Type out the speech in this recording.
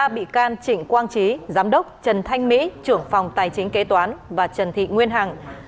ba bị can trịnh quang trí giám đốc trần thanh mỹ trưởng phòng tài chính kế toán và trần thị nguyên hằng